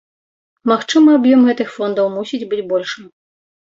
Магчыма, аб'ём гэтых фондаў мусіць быць большым.